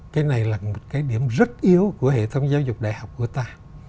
cái này là một cái điểm rất yếu của hệ thống giáo dục đại học của ta